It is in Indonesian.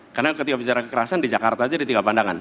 karena ketika bicara kekerasan di jakarta saja ditinggal pandangan